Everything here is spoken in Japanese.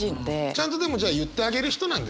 ちゃんとでも言ってあげる人なんですね。